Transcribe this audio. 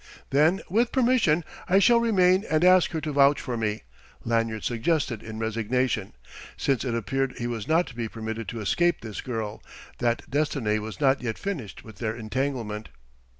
"Then, with permission, I shall remain and ask her to vouch for me," Lanyard suggested in resignation, since it appeared he was not to be permitted to escape this girl, that destiny was not yet finished with their entanglement.